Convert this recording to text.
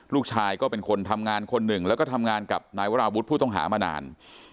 ลูกชายก็เป็นคนทำงานคนหนึ่งแล้วก็ทำงานกับนายวราวุฒิผู้ต้องหามานาน